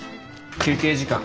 休憩時間。